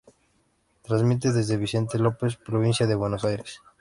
Transmite desde Vicente López, provincia de Buenos Aires.